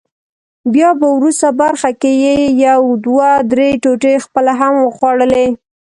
بیا په وروست برخه کې یې یو دوه درې ټوټې خپله هم وخوړلې.